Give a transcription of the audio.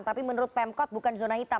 tapi menurut pemkot bukan zona hitam